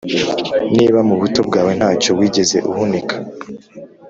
Niba mu buto bwawe nta cyo wigeze uhunika,